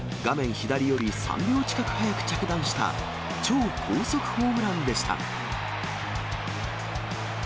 左より３秒近く早く着弾した、超高速ホームランでした。